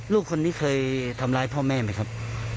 ลูกคนนี้เคยทำร้ายพ่อแม่ไหมครับ